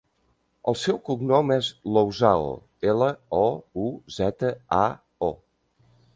El seu cognom és Louzao: ela, o, u, zeta, a, o.